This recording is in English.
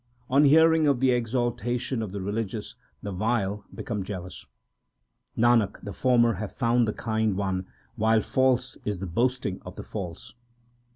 On hearing of the exaltation of the religious the vile become jealous. 3 Nanak, the former have found the Kind One, while false is the boasting of the false.